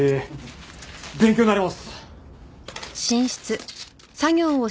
勉強になります！